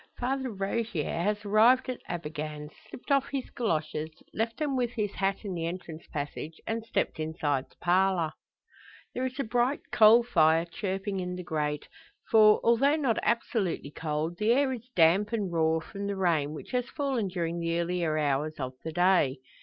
Father Rogier has arrived at Abergann; slipped off his goloshes, left them with his hat in the entrance passage; and stepped inside the parlour. There is a bright coal fire chirping in the grate; for, although not absolutely cold, the air is damp and raw from the rain which has fallen during the earlier hours of the day.